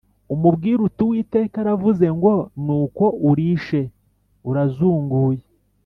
umubwire uti ‘Uwiteka aravuze ngo: Ni uko urishe urazunguye?’